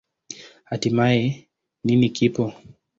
Hatimaye, nini kipo?